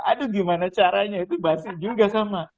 aduh gimana caranya itu basi juga sama